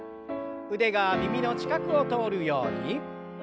腕が耳の近くを通るように。